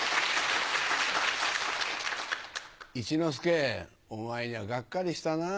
一之輔、お前にはがっかりしたな。